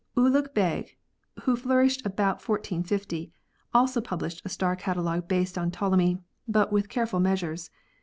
Ulugh Begh, who flourished about 1450, also published a star catalogue based on Ptolemy, but with careful measures.